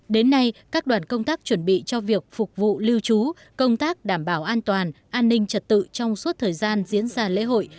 đến nay các đoàn công tác chuẩn bị cho việc phục vụ lưu trú công tác đảm bảo an toàn an ninh trật tự trong suốt thời gian diễn ra lễ hội